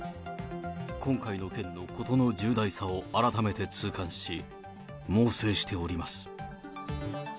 今回の件の事の重大さを改めて痛感し、猛省しております。